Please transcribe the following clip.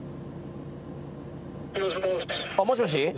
もしもし？